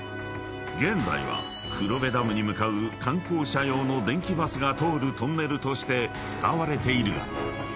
［現在は黒部ダムに向かう観光者用の電気バスが通るトンネルとして使われているが］